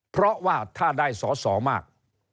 เพราะว่าถ้าได้สอสอมาก